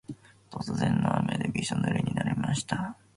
突然の雨でびしょぬれになりました。